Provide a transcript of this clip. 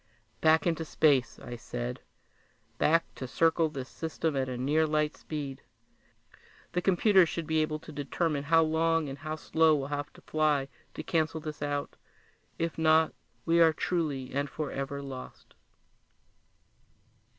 "Back into space," I said. "Back to circle this system at a near light speed. The computers should be able to determine how long and how slow we'll have to fly to cancel this out. If not, we are truly and forever lost!"